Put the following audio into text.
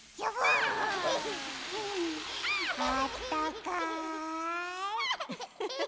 あったかい。